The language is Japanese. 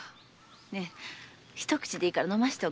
ねえ一口でいいから飲ませてよ。